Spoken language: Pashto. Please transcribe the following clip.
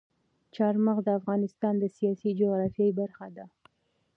چار مغز د افغانستان د سیاسي جغرافیه برخه ده.